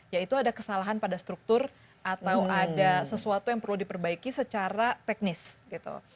yaitu ada kesalahan pada struktur atau ada sesuatu yang perlu diperbaiki secara teknis gitu